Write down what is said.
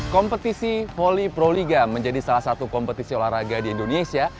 kompetisi voli proliga menjadi salah satu kompetisi olahraga di indonesia